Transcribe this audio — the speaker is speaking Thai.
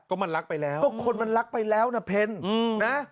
ก็มันรักไปแล้วก็คนมันรักไปแล้วนะเพนนะ